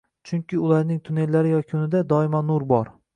chunki ularning tunnellari yakunida doimo nur bor.